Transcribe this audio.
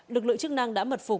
lực lượng chức năng đã mật phục